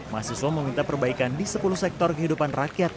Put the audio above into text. mahasiswa meminta perbaikan di sepuluh sektor kehidupan rakyat